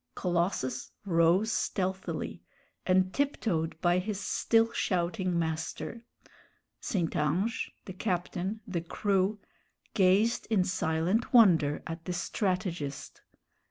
Colossus rose stealthily, and tiptoed by his still shouting master. St. Ange, the captain, the crew, gazed in silent wonder at the strategist.